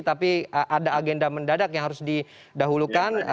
tapi ada agenda mendadak yang harus didahulukan